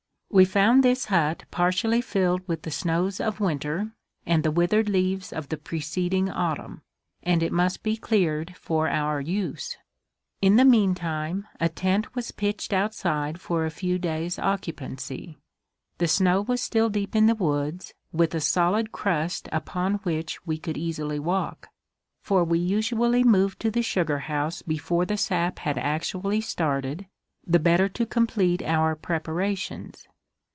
We found this hut partially filled with the snows of winter and the withered leaves of the preceding autumn, and it must be cleared for our use. In the meantime a tent was pitched outside for a few days' occupancy. The snow was still deep in the woods, with a solid crust upon which we could easily walk; for we usually moved to the sugar house before the sap had actually started, the better to complete our preparations.